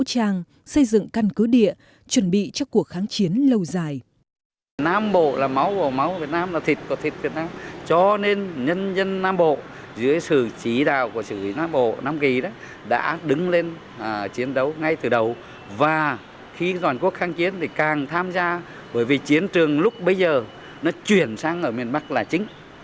trang xây dựng căn cứ địa chuẩn bị cho cuộc kháng chiến lâu dài